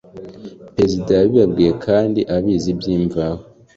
perezida yabibabwiye, kandi abizi by’imvaho.